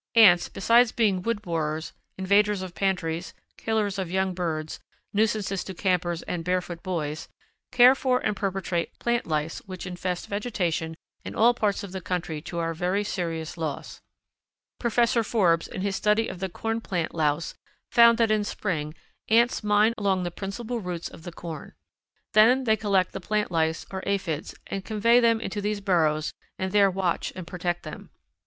Ants, besides being wood borers, invaders of pantries, killers of young birds, nuisances to campers and barefoot boys, care for and perpetuate plant lice which infest vegetation in all parts of the country to our very serious loss. Professor Forbes, in his study of the corn plant louse, found that in spring ants mine along the principal roots of the corn. Then they collect the plant lice, or aphids, and convey them into these burrows and there watch and protect them.